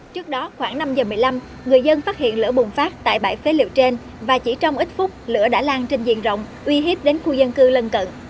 trước đó khoảng năm giờ một mươi năm người dân phát hiện lửa bùng phát tại bãi phế liệu trên và chỉ trong ít phút lửa đã lan trên diện rộng uy hiếp đến khu dân cư lân cận